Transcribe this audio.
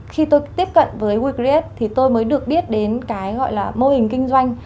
khi tôi tiếp cận với wecras thì tôi mới được biết đến cái gọi là mô hình kinh doanh